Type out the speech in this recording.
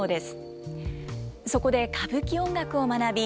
そこで歌舞伎音楽を学び